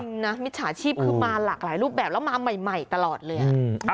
นะมิจฉาชีพคือมาหลากหลายรูปแบบแล้วมาใหม่ตลอดเลย